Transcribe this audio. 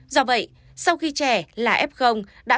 do vậy sau khi trẻ là f đã khỏi từ ba tháng trở đi